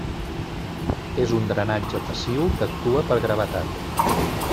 És un drenatge passiu que actua per gravetat.